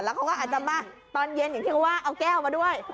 เขาก็อาจจะมาตอนเย็นอย่างที่เขาว่าเอาแก้วมาด้วย